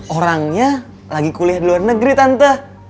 orangnya lagi kuliah di luar negeri tante